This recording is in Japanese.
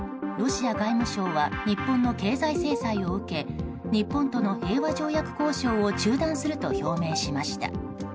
ロシア外務省は日本の経済制裁を受け日本との平和条約交渉を中断すると表明しました。